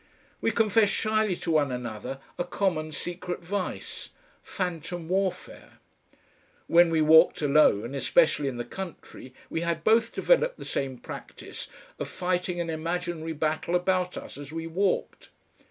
We confessed shyly to one another a common secret vice, "Phantom warfare." When we walked alone, especially in the country, we had both developed the same practice of fighting an imaginary battle about us as we walked.